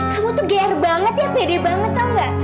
kamu tuh ger banget ya pede banget tau gak